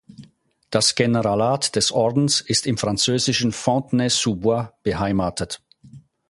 Das Generalat des Ordens ist im französischen Fontenay-sous-Bois beheimatet.